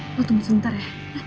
eh lo tunggu sebentar ya